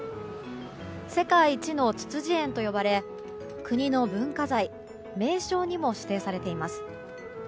世界一のツツジ園と呼ばれ国の文化財、名勝にも指定されています。